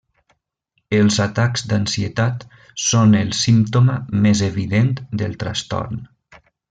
Els atacs d'ansietat són el símptoma més evident del trastorn.